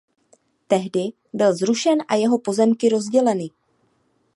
Tehdy byl zrušen a jeho pozemky rozděleny.